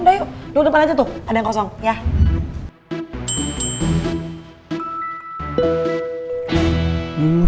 udah yuk lo dukung aja tuh ada yang kosong ya